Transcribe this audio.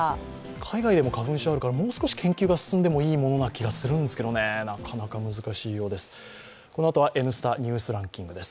海外でも花粉症があるから、もう少し研究が進んでもいいですがなかなか難しいようです。